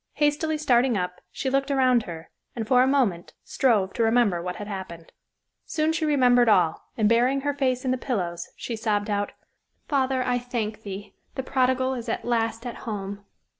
Hastily starting up, she looked around her and, for a moment, strove to remember what had happened. Soon she remembered all, and burying her face in the pillows, she sobbed out: "Father, I thank Thee; the prodigal is at last at home."